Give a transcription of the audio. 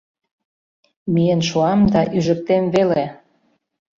— Миен шуам да ӱжыктем веле!..